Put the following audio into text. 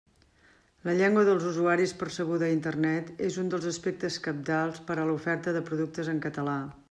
La llengua dels usuaris percebuda a Internet és un dels aspectes cabdals per a l'oferta de productes en català.